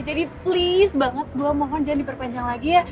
jadi please banget gue mohon jangan diperpanjang lagi ya